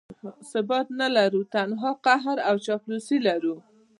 ثبات نه لرو، تنها قهر او چاپلوسي لرو.